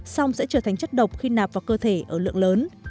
xong sẽ trở thành chất độc khi nạp vào cơ thể ở lượng lớn